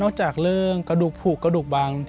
จากเรื่องกระดูกผูกกระดูกบาง